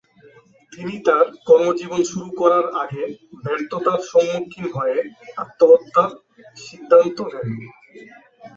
তিনি তার কর্মজীবন শুরু করার আগে ব্যর্থতার সম্মুখীন হয়ে আত্মহত্যার সিদ্ধান্ত নেন।